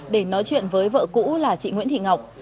để nói chuyện với vợ cũ là chị nguyễn thị ngọc